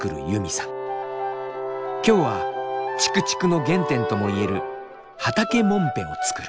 今日はちくちくの原点ともいえる畑もんぺを作る。